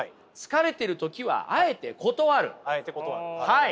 はい。